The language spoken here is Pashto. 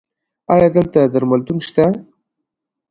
ایا دلته درملتون شته؟